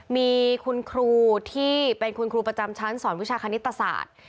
มีคุณครูที่เป็นคุณครูประจำชั้นสอนวิชาคณิตศาสตร์